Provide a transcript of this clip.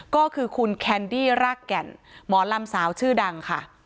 ก็คือคุณแคนดี้รากแก่นหมอลำสาวชื่อดังค่ะ